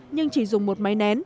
nhưng chỉ dùng một máy nén